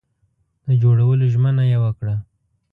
د جوړولو ژمنه یې وکړه.